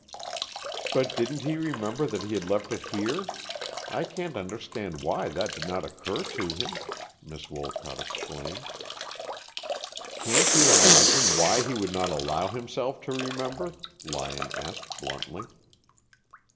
"But didn't he remember that he had left it here? I can't understand why that did not occur to him," Miss Wolcott exclaimed. "Can't you imagine why he would not allow himself to remember?" Lyon asked, bluntly.